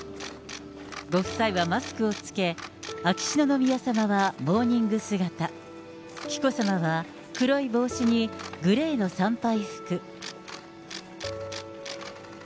ご夫妻はマスクを着け、秋篠宮さまはモーニング姿、紀子さまは黒い帽子にグレーの参拝服。